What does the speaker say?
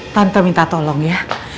tante minta tolong ya